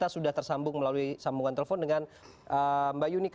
selamat malam mbak yuni